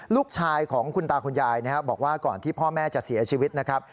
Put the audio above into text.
ลูกชายของคุณตาคุณยายนะครับบอกว่าก่อนที่พ่อแม่จะเสียชีวิตนะครับ